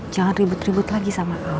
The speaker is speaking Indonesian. jangan ribut ribut lagi sama allah